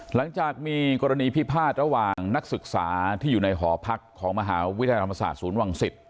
หลังจากมีกรณีพิพาทระหว่างนักศึกษาที่อยู่ในหอพักของมหาวิทยาลัยธรรมศาสตร์ศูนย์วังศิษย